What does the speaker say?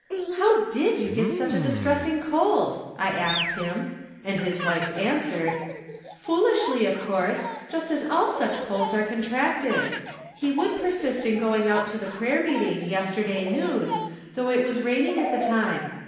" How did you get such a distressing cold? " I asked him, and his wife answered :," FoolishljTj of course, just as all such colds are contracted. He would persist in going out to the prayer meeting, yesterday noon, though it was raining at the time.